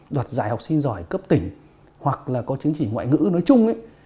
đoạt giải học sinh giỏi cấp tỉnh hoặc là có chứng chỉ ngoại ngữ nói chung ấy